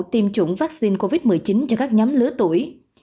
tiêm chủng vaccine covid một mươi chín cho các nhóm lứa tuổi